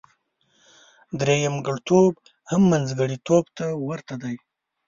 درېمګړتوب هم منځګړتوب ته ورته دی.